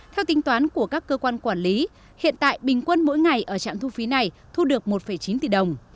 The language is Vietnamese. theo tính toán của các cơ quan quản lý hiện tại bình quân mỗi ngày ở trạm thu phí này thu được một chín tỷ đồng